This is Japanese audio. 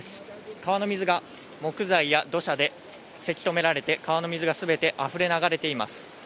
川の水が木材や土砂でせき止められて川の水がすべてあふれ流れています。